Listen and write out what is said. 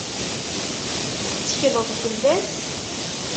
Tettekleḍ fell-as?